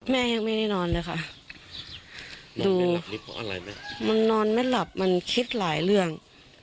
แม่ยังไม่ได้นอนเลยค่ะดูมันนอนไม่หลับมันคิดหลายเรื่อง